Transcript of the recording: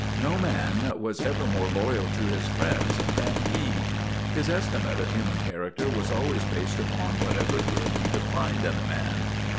No man was ever more loyal to his friends than he. His estimate of human character was always based upon whatever good he could find in a man.